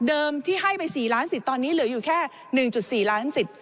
ที่ให้ไป๔ล้านสิทธิ์ตอนนี้เหลืออยู่แค่๑๔ล้านสิทธิ